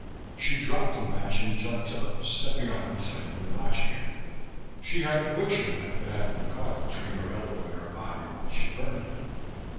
She dropped the match and jumped up, stepping on the flame and watching him. She had a butcher knife that had been caught between her elbow and her body while she burned him.